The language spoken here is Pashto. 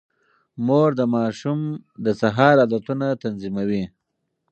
مور د ماشوم د سهار عادتونه تنظيموي.